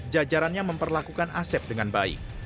jajarannya memperlakukan asep dengan baik